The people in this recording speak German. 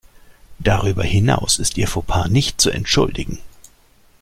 Darüber hinaus ist ihr Fauxpas nicht zu entschuldigen.